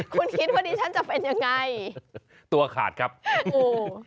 คุณคิดว่าดิฉันจะเป็นยังไงตัวขาดครับโอ้โห